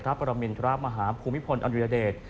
พระประมิณฑราบมหาภูมิพลอันวิทยาเดช